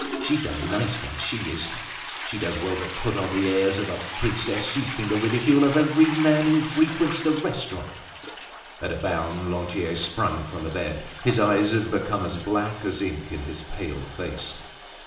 She's a nice one, she is! She does well to put on the airs of a princess! She's been the ridicule of every man who frequents the restaurant." At a bound Lantier sprang from the bed. His eyes had become as black as ink in his pale face.